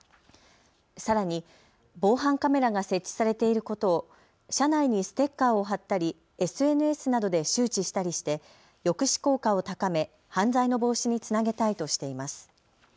さらに防犯カメラが設置されていることを車内にステッカーを貼ったりＳＮＳなどで周知したりして抑止効果を高め犯罪の防止につなげたいとしています。